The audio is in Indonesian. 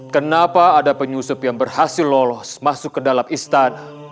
kenapa ada penyusup yang berhasil lolos masuk ke dalam istana